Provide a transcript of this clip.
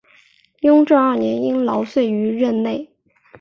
雍正二年因劳卒于任内。